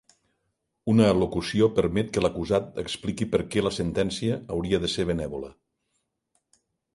Una al·locució permet que l'acusat expliqui perquè la sentència hauria de ser benèvola.